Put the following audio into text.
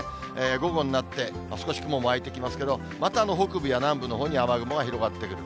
午後になって、少し雲も湧いてきますけど、また北部や南部のほうに雨雲が広がってくる。